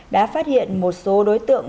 đã phát hiện một số đối tượng